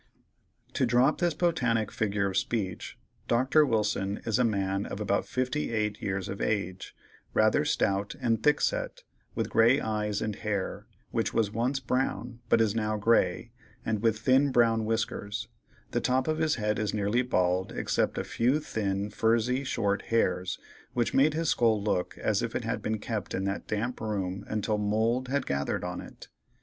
To drop this botanic figure of speech, Dr. Wilson is a man of about fifty eight years of age, rather stout and thick set, with grey eyes, and hair which was once brown, but is now grey, and with thin brown whiskers; the top of his head is nearly bald, except a few thin, furzy, short hairs, which made his skull look as if it had been kept in that damp room until mould had gathered on it.